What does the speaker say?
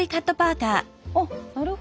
あっなるほどね。